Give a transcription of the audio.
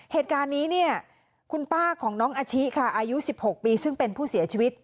เหตุการณ์นี้เนี่ยคุณป้าของน้องอาชิค่ะอายุ๑๖ปีซึ่งเป็นผู้เสียชีวิต